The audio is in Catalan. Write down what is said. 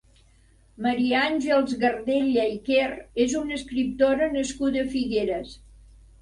Maria Àngels Gardella i Quer és una escriptora nascuda a Figueres.